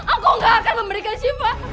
aku gak akan memberikan sifat